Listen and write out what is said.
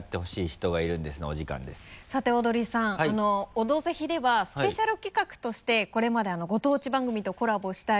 「オドぜひ」ではスペシャル企画としてこれまでご当地番組とコラボしたり。